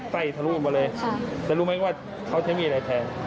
ใส่ทะลูกมาเลยแต่รู้ไหมว่าเขาจะมีอะไรแทน